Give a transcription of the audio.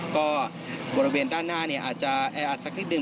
ก็บริเวณด้านหน้าอาจจะแออัดสักนิดหนึ่ง